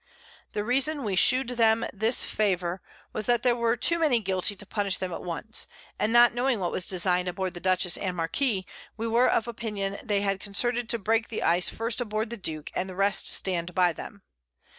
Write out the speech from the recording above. The Reason we shewed 'em this Favour was, that there were too many guilty to punish them at once: And not knowing what was design'd a board the Dutchess and Marquiss, we were of Opinion they had concerted to break the Ice first a board the Duke, and the rest to stand by them.